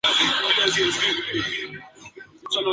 Las ceremonias religiosas a menudo involucraban a más de mil monjes.